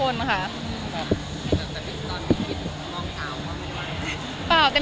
ตอนมียังคิดไม่มองเต้าก็ไม่ไหว